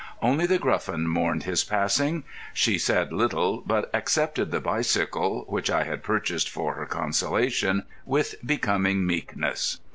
Only The Gruffin mourned his passing. She said little, but accepted the bicycle (which I had purchased for her consolation) with becoming meekness.